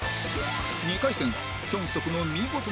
２回戦はヒョンソクの見事な気配